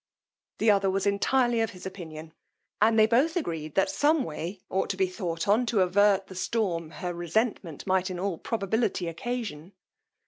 The other was entirely of his opinion; and they both agreed that, some way ought to thought on to avert the storm, her resentment might in all probability occasion.